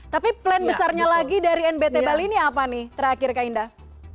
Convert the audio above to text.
tapi plan besarnya lagi dari nbt bali ini apa nih terakhir kak indah